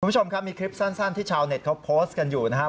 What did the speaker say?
คุณผู้ชมครับมีคลิปสั้นที่ชาวเน็ตเขาโพสต์กันอยู่นะครับ